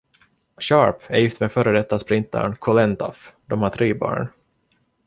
Sharpe är gift med f.d. sprintern Colene Taffe. De har tre barn.